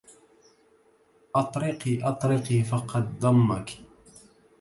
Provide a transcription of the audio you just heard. أطرقي أطرقي فقد ضمك